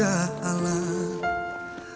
aku akan pergi